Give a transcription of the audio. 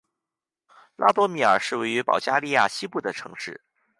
拉多米尔是位于保加利亚西部的城市。